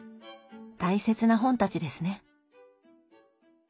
大切な本たちですね。